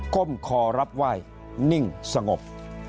ก้มคอรับไหว้นิ่งสงบ